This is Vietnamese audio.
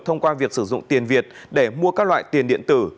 thông qua việc sử dụng tiền việt để mua các loại tiền điện tử